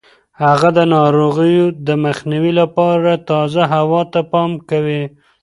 هغه د ناروغیو د مخنیوي لپاره تازه هوا ته پام کوي.